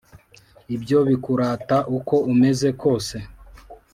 ibyo bikurata uko umeze kose